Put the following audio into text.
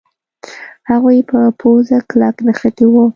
هغوی په پوزه کلک نښتي وو.